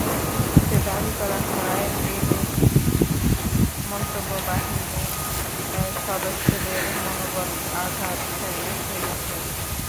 এতে দাবি করা হয়, এরূপ মন্তব্য বাহিনীর সদস্যদের মনোবলে আঘাত হেনেছে।